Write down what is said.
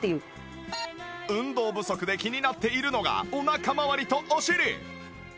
運動不足で気になっているのがお腹まわりとお尻